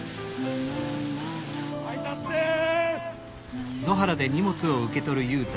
配達です！